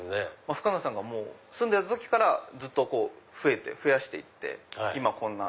深野さんが住んでた時から増やしていって今こんな。